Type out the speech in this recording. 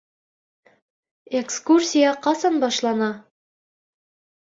Экскурсия ҡасан башлана?